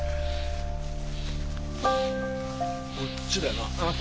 こっちだよな？